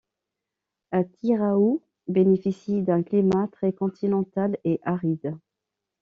Atyraou bénéficie d'un climat très continental et aride.